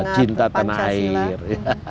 cinta tanah air